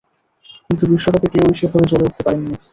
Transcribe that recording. কিন্তু বিশ্বকাপে কেউই সেভাবে জ্বলে উঠতে পারেননি।